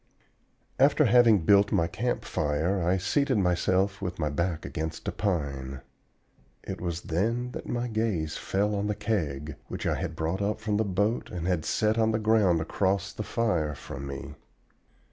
After having built my camp fire I seated myself with my back against a pine; it was then that my gaze again fell on the Keg, which I had brought up from the boat and had set on the ground across the fire from me.